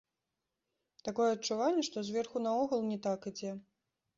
Такое адчуванне, што зверху наогул не так ідзе.